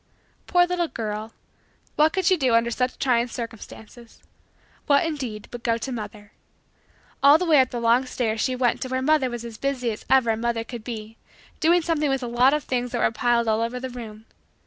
Poor little girl! What could she do under such trying circumstances what indeed but go to mother. All the way up the long stairs she went to where mother was as busy as ever a mother could be doing something with a lot of things that were piled all over the room.